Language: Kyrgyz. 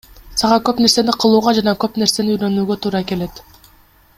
Сага көп нерсени кылууга жана көп нерсени үйрөнүүгө туура келет.